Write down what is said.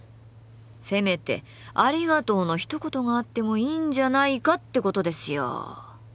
せめて「ありがとう」のひと言があってもいいんじゃないかってことですよ。